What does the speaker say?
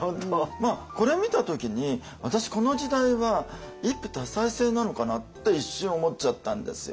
これ見た時に私この時代は一夫多妻制なのかなって一瞬思っちゃったんですよ。